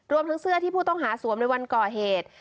ทั้งเสื้อที่ผู้ต้องหาสวมในวันก่อเหตุ